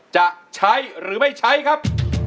จะใช้หรือไม่ใช้ครับ